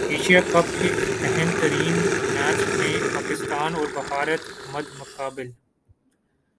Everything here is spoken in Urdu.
ایشیا کپ کے اہم ترین میچ میں پاکستان اور بھارت مد مقابل